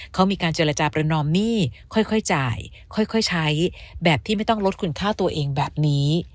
เขามีการเจรจาประนอมหนี้ค่อยจ่ายค่อยใช้แบบที่ไม่ต้องลดคุณค่าตัวเองแบบนี้